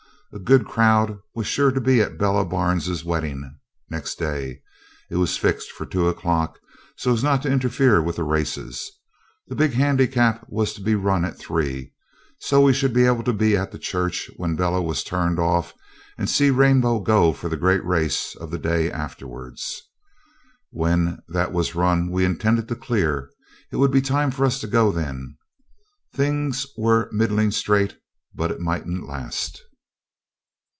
A good crowd was sure to be at Bella Barnes's wedding next day. It was fixed for two o'clock, so as not to interfere with the races. The big handicap was to be run at three, so we should be able to be at the church when Bella was turned off, and see Rainbow go for the great race of the day afterwards. When that was run we intended to clear. It would be time for us to go then. Things were middling straight, but it mightn't last.